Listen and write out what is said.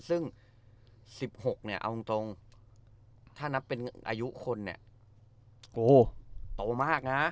ซึ่ง๑๖เนี่ยเอาตรงถ้านับเป็นอายุคนเนี่ยโกโตมากนะ